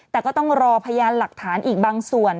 แต่ก็ต้องรอพยานหลักฐานอีกบางส่วน